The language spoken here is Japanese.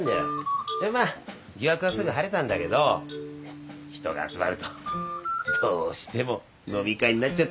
でまあ疑惑はすぐ晴れたんだけど人が集まるとどうしても飲み会になっちゃってね。